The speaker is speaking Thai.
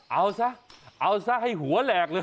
เอาซะเอาซะให้หัวแหลกเลย